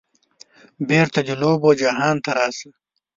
بیرته د لوبو جهان ته راشه